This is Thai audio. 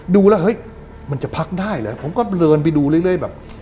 ดูแล้วเฮ้ยมันจะพักได้เหรอผมก็เดินไปดูเรื่อยแบบ